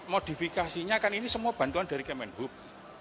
modifikasinya kan ini semua bantuan dari kemenhub